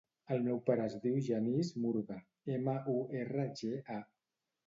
El meu pare es diu Genís Murga: ema, u, erra, ge, a.